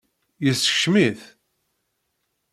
Yeskcem-it?